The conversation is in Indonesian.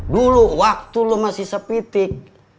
dulu waktu lo masih sepitik